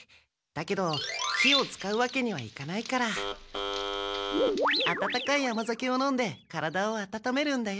だけど火を使うわけにはいかないから温かい甘酒を飲んで体を温めるんだよ。